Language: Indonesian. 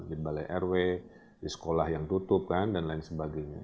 di balai rw di sekolah yang tutup kan dan lain sebagainya